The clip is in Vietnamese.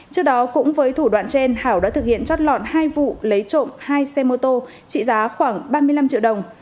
trước đó cũng với thủ đoạn trên hảo đã thực hiện chót lọt hai vụ lấy trộm hai xe mô tô trị giá khoảng ba mươi năm triệu đồng